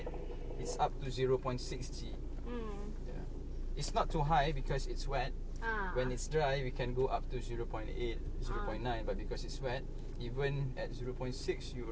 แต่เพราะมันเต็มแม้มันคือ๐๖มันคือ๐๖มันคือ๐๙